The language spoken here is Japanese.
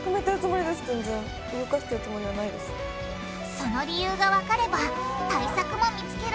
その理由がわかれば対策も見つけられるはず！